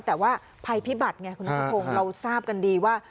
แต่ว่าภัยพิบัติไงคุณนัทพงศ์เราทราบกันดีว่า